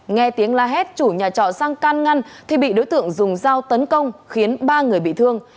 nghe tiếng la hét chủ nhà trọ sang can ngăn thì bị đối tượng dùng dao tấn công khiến ba người bị thương